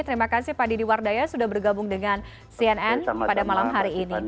terima kasih pak didi wardaya sudah bergabung dengan cnn pada malam hari ini